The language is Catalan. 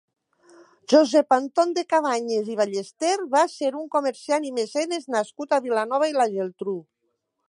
Josep Anton de Cabanyes i Ballester va ser un comerciant i mecenes nascut a Vilanova i la Geltrú.